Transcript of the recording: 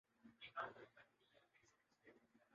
کوہلی کے نہ کھیلنے سے بھارتی ٹیم کو فرق پڑسکتا ہے سرفراز